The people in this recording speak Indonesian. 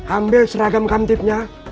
ambil seragam kamtipnya